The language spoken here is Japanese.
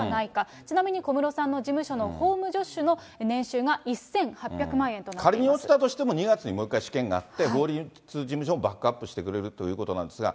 ちなみに小室さんの事務所の法務助手の年収が１８００万円となっ仮に落ちたとしても、２月にもう１回試験があって、法律事務所もバックアップしてくれるということなんですが。